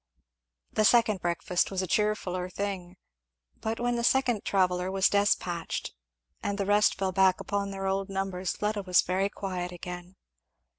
The second breakfast was a cheerfuller thing. But when the second traveller was despatched, and the rest fell back upon their old numbers, Fleda was very quiet again.